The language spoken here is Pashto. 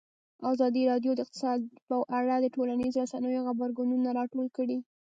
ازادي راډیو د اقتصاد په اړه د ټولنیزو رسنیو غبرګونونه راټول کړي.